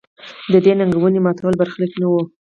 د دې ننګونې ماتول برخلیک نه و.